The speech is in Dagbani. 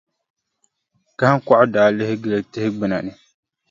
Kahiŋkɔɣu daa lihi gili tihi gbuna ni.